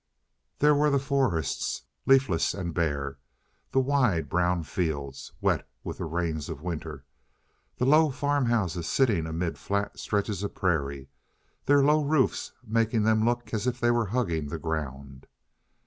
There were the forests, leafless and bare; the wide, brown fields, wet with the rains of winter; the low farm houses sitting amid flat stretches of prairie, their low roofs making them look as if they were hugging the ground.